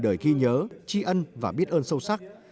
đời ghi nhớ tri ân và biết ơn sâu sắc